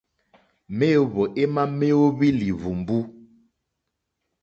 Méǒhwò émá méóhwí líhwùmbú.